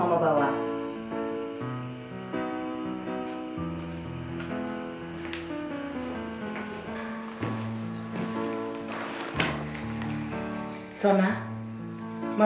oke deh aku beli lagi